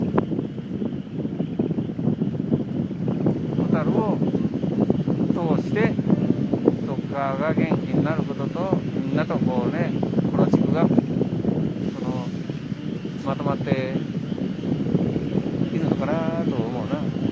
ホタルを通してとっかわが元気になることとみんなとこうねこの地区がまとまっているのかなと思うな。